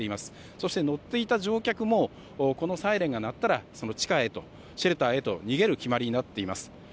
そして、乗っていた乗客もこのサイレンが鳴ったら地下へとシェルターへと逃げる決まりになっています。